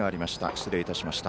失礼いたしました。